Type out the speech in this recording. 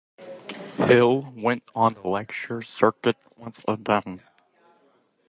Hill went on the lecture circuit once again.